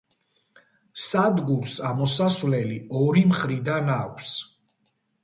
სადგურს ამოსასვლელი ორი მხრიდან აქვს.